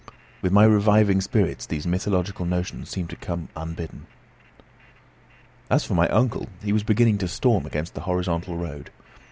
With my reviving spirits these mythological notions seemed to come unbidden. As for my uncle, he was beginning to storm against the horizontal road.